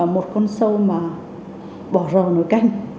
một con sâu mà bỏ rời nồi canh